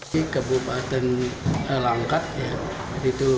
di kabupaten langkat